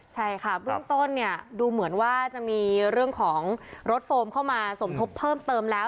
ใช่ค่ะเบื้องต้นเนี่ยดูเหมือนว่าจะมีเรื่องของรถโฟมเข้ามาสมทบเพิ่มเติมแล้ว